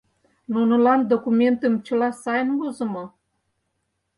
Нунылан документым чыла сайын возымо?